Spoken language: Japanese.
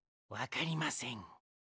わかりません。